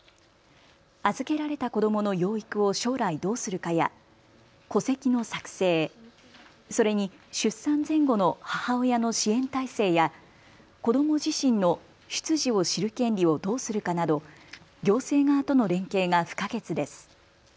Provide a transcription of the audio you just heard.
預けられた子どもの養育を将来どうするかや戸籍の作成、それに出産前後の母親の支援体制や子ども自身の出自を知る権利をどうするかなど行政側との連携が不可欠です。